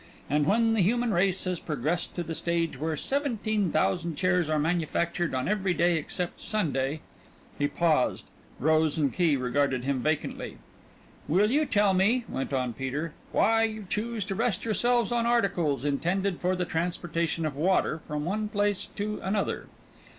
And when the human race has progressed to the stage where seventeen thousand chairs are manufactured on every day except Sunday " he paused. Rose and Key regarded him vacantly. "Will you tell me," went on Peter, "why you choose to rest yourselves on articles, intended for the transportation of water from one place to another?"